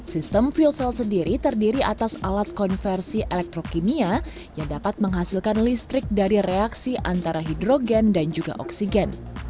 sistem fuel cell sendiri terdiri atas alat konversi elektrokimia yang dapat menghasilkan listrik dari reaksi antara hidrogen dan juga oksigen